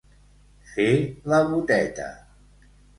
Fer la boteta.